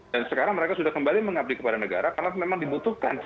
dan sekarang mereka sudah kembali mengabdi kepada negara karena memang dibutuhkan